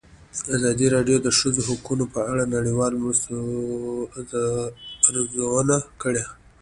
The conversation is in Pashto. ازادي راډیو د د ښځو حقونه په اړه د نړیوالو مرستو ارزونه کړې.